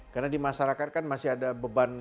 karena di masyarakat kan masih ada beban